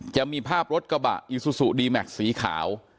จะมีภาพรถกระบะอีซูซูดีแม็กซ์สีขาว